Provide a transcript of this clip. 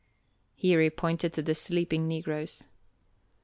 Here he pointed to the sleeping negroes.